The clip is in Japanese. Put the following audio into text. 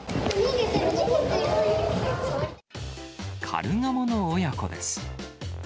カルガモの親子です。